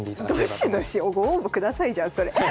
「どしどしご応募下さい」じゃんそれ。